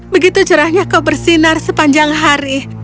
begitu cerahnya kau bersinar sepanjang hari